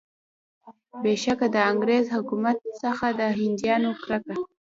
بېشکه د انګریز حکومت څخه د هندیانو کرکه.